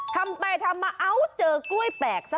ทำไปทำมาเอ้าเจอกล้วยแปลกซะ